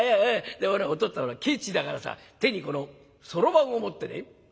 でほらお父っつぁんケチだからさ手にこのそろばんを持ってね